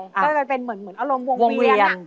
ก็เลยเป็นเหมือนอารมณ์วงเวียน